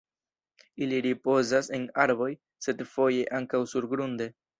Ili ripozas en arboj sed foje ankaŭ surgrunde.